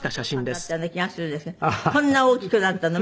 こんな大きくなったの。